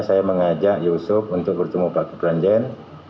saya mengajak yusuf untuk bertemu pak kipran jain